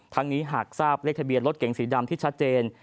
นี้หากทราบเลขทะเบียนรถเก่งสีดำที่ชัดเจน